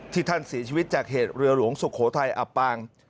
ท่านเสียชีวิตจากเหตุเรือหลวงสุโขทัยอับปาง